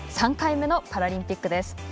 ３回目のパラリンピックです。